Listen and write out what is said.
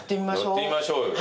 やってみましょうよ。